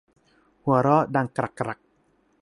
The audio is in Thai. หัวเราะดังกรักกรัก